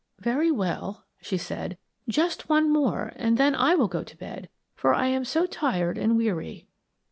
"Very well," she said; "just one more, and then I will go to bed, for I am so tired and weary."